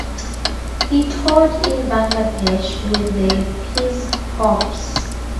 He taught in Bangladesh with the Peace Corps.